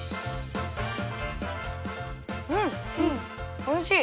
うんおいしい。